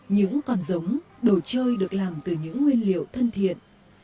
những con giống đồ chơi được làm từ những nguyên liệu thân thiện